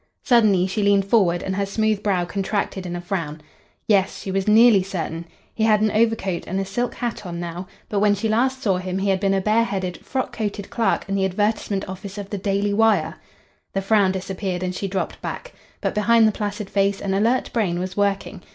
Suddenly she leaned forward, and her smooth brow contracted in a frown. Yes she was nearly certain. He had an overcoat and a silk hat on now, but when she last saw him he had been a bare headed, frock coated clerk in the advertisement office of the Daily Wire. The frown disappeared and she dropped back. But behind the placid face an alert brain was working.